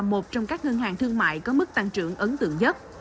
một trong các ngân hàng thương mại có mức tăng trưởng ấn tượng nhất